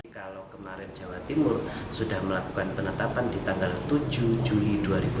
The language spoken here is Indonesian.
kalau kemarin jawa timur sudah melakukan penetapan di tanggal tujuh juli dua ribu dua puluh